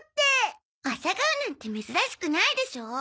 アサガオなんて珍しくないでしょ。